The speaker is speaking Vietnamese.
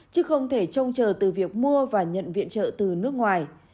chứ không thể trông chờ từ việc mua và nhận viện trợ từ nước ngoài